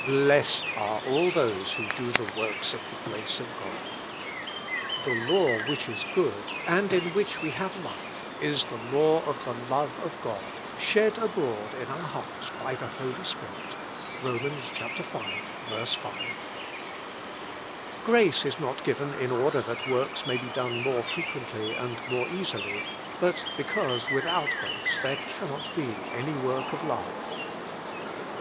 "Blessed are all those who do the works of the grace of God. "The law, which is good, and in which we have life, is the law of the love of God, shed abroad in our hearts by the Holy Spirit, (Rom., v, 5.) "Grace is not given in order that works may be done more frequently and more easily, but because without grace there cannot be any work of love.